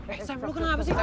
eh sam lu kenapa sih